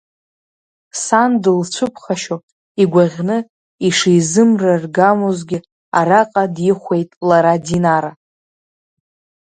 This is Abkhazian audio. Сан дылцәыԥхашьо игәаӷьны ишизымраргамозгьы, араҟа дихәеит лара Динара.